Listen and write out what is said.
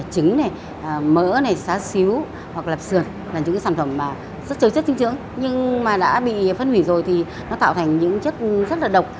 trứng mỡ xá xíu hoặc lập sườn là những sản phẩm rất chơi chất trứng trưởng nhưng mà đã bị phân hủy rồi thì nó tạo thành những chất rất là độc